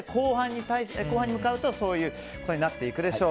後半に向かうとそういうことになっていくでしょう。